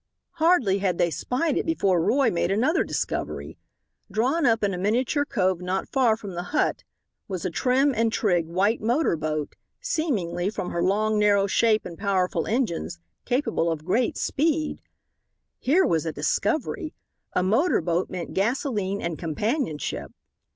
Hardly had they spied it before Roy made another discovery. Drawn up in a miniature cove not far from the hut was a trim and trig white motor boat, seemingly, from her long narrow shape and powerful engines, capable of great speed. Here was a discovery! A motor boat meant gasolene and companionship.